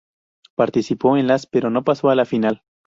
Participó en las pero no pasó a la final.